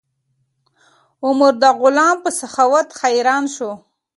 عمر د غلام په سخاوت حیران شو.